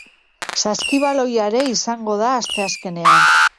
Saskibaloia ere izango da asteazkenean.